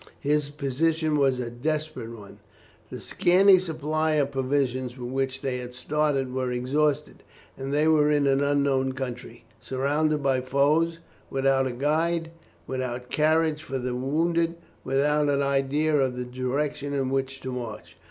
His position was a desperate one; the scanty supply of provisions with which they had started was exhausted, and they were in an unknown country, surrounded by foes, without a guide, without carriage for the wounded, without an idea of the direction in which to march.